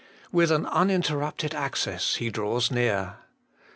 With an uninterrupted access he draws near.